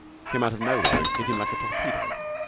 came out of nowhere and hit him like a torpedo.